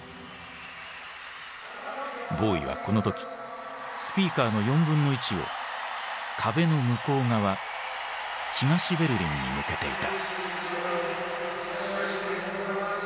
ボウイはこの時スピーカーの４分の１を壁の向こう側東ベルリンに向けていた。